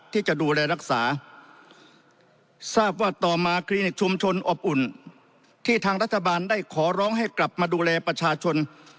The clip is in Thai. ที่จะดูแลรักษาทราบว่าต่อมาคลินิกชุมชนอบอุ่นที่ทางรัฐบาลได้ขอร้องให้กลับมาดูแลประชาชน